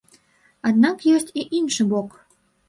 Аднак ёсць і іншы бок.